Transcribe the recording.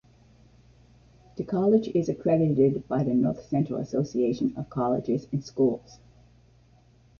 The college is accredited by the North Central Association of Colleges and Schools.